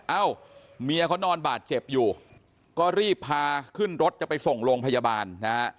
เอ้าเมียเขานอนบาดเจ็บอยู่ก็รีบพาขึ้นรถจะไปส่งโรงพยาบาลนะฮะ